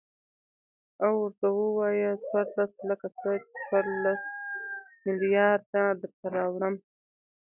او ورته ووايه څورلس لکه څه ،چې څورلس ملېارده درته راوړم.